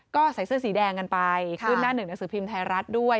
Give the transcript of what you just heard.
ก็ใส่เสื้อสีแดงกันไปขึ้นหน้าหนึ่งหนังสือพิมพ์ไทยรัฐด้วย